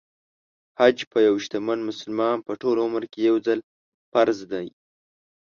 حج په یو شتمن مسلمان په ټول عمر کې يو ځل فرض دی .